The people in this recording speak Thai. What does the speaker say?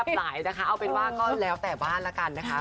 หลายนะคะเอาเป็นว่าก็แล้วแต่บ้านละกันนะคะ